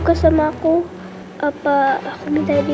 belom hubungi aku ni weg